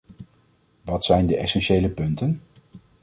Wat zijn de essentiële punten?